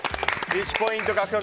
１ポイント獲得。